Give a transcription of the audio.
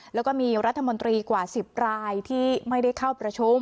แล้วก็มีรัฐมนตรีกว่า๑๐รายที่ไม่ได้เข้าประชุม